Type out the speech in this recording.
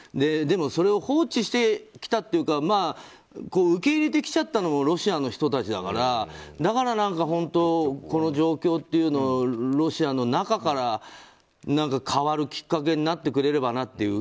でも、それを放置してきたっていうか受け入れてきちゃったのもロシアの人たちだからだから、この状況というのはロシアの中から変わるきっかけになってくれればなって。